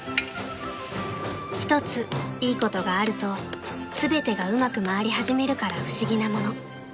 ［一ついいことがあると全てがうまく回り始めるから不思議なもの］